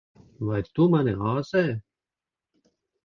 Vai tu mani āzē?